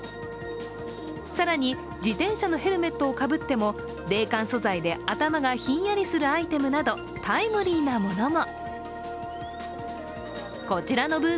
更に自転車のヘルメットをかぶっても冷感素材で頭がひんやりするアイテムなどタイムリーなものも。